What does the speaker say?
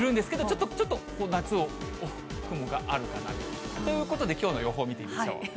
ちょっと夏と、雲があるかなということで、きょうの予報見てみましょう。